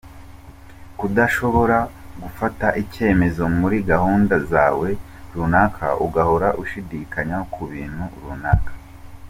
Kudashobora gufata icyemezo muri gahunda zawe runaka, ugahora ushidikanya ku bintu runaka.